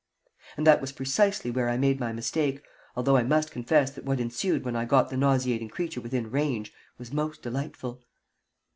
And that was precisely where I made my mistake, although I must confess that what ensued when I got the nauseating creature within range was most delightful.